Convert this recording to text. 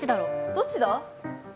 どっちだ？